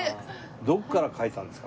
どこから描いたんですか？